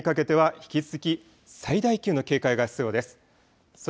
今夜にかけては引き続き最大級の警戒が必要です。